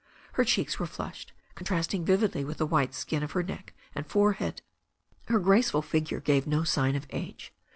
Her cheeks were flushed, contrasting vividly with the white skin of her neck and forehead. Her graceful figure gave no sign of age.